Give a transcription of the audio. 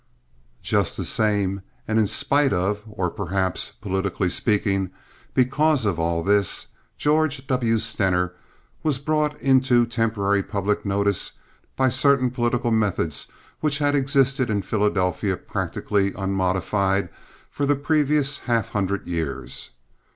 Just the same, and in spite of, or perhaps, politically speaking, because of all this, George W. Stener was brought into temporary public notice by certain political methods which had existed in Philadelphia practically unmodified for the previous half hundred years.